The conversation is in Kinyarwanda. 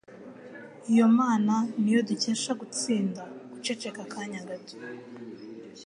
Iyo Mana ni yo dukesha gutsinda guceceka akanya gato